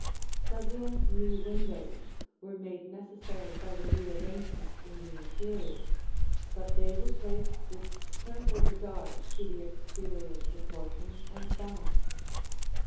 Several new windows were made necessary by the rearrangements in the interior, but they were placed with careful regard to the exterior proportion and balance.